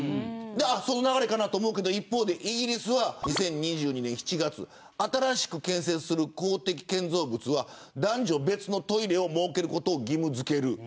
その流れかなと思うけど一方でイギリスは２０２２年７月、新しく建設する公的建造物は男女別のトイレを設けることを義務付ける。